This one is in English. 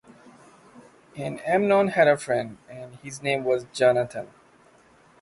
And Amnon had a friend, and his name was Jonathan.